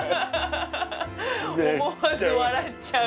思わず笑っちゃう。